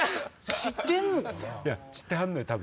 知ってはんのよ多分。